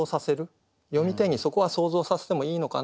読み手にそこは想像させてもいいのかなと。